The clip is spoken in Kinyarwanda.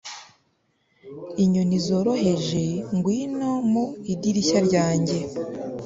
inyoni zoroheje, ngwino mu idirishya ryanjye